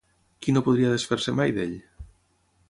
Qui no podria desfer-se mai d'ell?